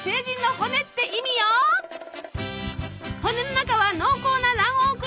骨の中は濃厚な卵黄クリーム。